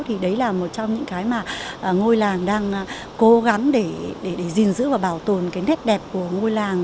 thì đấy là một trong những cái mà ngôi làng đang cố gắng để gìn giữ và bảo tồn cái nét đẹp của ngôi làng